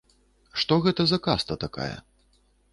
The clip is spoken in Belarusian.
Што гэта за каста такая?